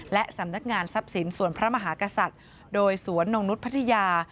และสำนักงานทรัพย์สินส่วนพระมหากษัตริย์โดยสวนนงนุษย์พัทยา